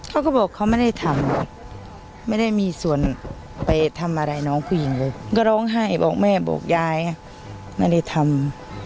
เขาก็บอกเขาไม่ได้ทำไม่ได้มีส่วนไปทำอะไรน้องผู้หญิงเลยก็ร้องไห้บอกแม่บอกยายไม่ได้ทำ